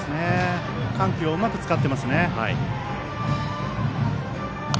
緩急をうまく使っています。